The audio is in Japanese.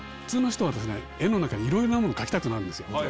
普通の人は絵の中にいろいろなもの描きたくなる。